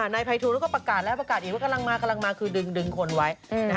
นายภัยทูลก็ประกาศแล้วประกาศอีกว่ากำลังมา